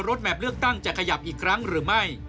แมพเลือกตั้งจะขยับอีกครั้งหรือไม่